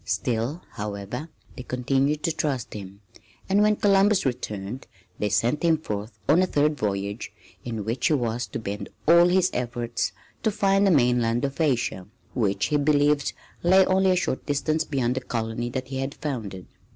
Still, however, they continued to trust him, and when Columbus returned they sent him forth on a third voyage in which he was to bend all his efforts to find the mainland of Asia, which he believed lay only a short distance beyond the colony that he had founded.